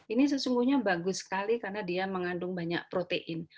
ini sesungguhnya bagus sekali karena dia mengandung banyak protein